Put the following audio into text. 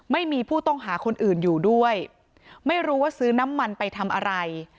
ไม่มีผู้ต้องหาคนอื่นอยู่ด้วยไม่รู้ว่าซื้อน้ำมันไปทำอะไร